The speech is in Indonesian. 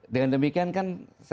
dengan demikian kan